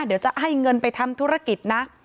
เดี๋ยวจะให้เงินไปทำธุรกิจนะ